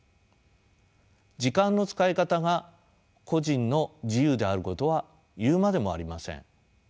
時間の使い方が個人の自由であることは言うまでもありません。